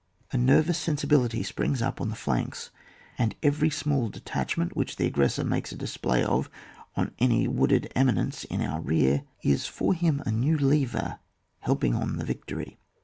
A nervous sensibility springs up on the flanks, and every smfdl detach ment which the aggressor makes a dis play of on any wooded eminence in our rear, is for him a new lever, helping on the victory.